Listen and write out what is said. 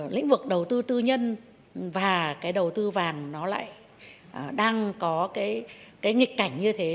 lĩnh vực đầu tư tư nhân và cái đầu tư vàng nó lại đang có cái nghịch cảnh như thế